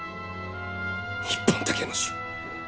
日本だけの種！